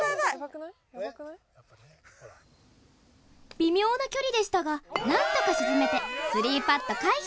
微妙な距離でしたがなんとか沈めて３パット回避。